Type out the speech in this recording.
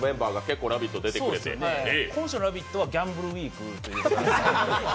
今週の「ラヴィット！」はギャンブルウィークということなんですか。